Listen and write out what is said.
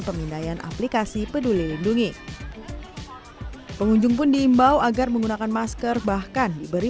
pemindaian aplikasi peduli lindungi pengunjung pun diimbau agar menggunakan masker bahkan diberi